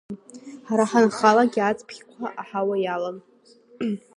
Ҳара ҳанхалагьы ацԥхьқәа аҳауа иалан.